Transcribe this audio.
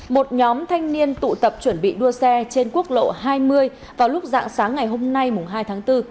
một nhóm thanh niên tụ tập chuẩn bị đua xe trên quốc lộ hai mươi vào lúc dạng sáng ngày hôm nay hai tháng bốn